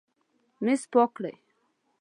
میز پاک کړئ